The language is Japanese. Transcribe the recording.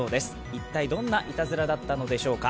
一体どんないたずらだったのでしょうか。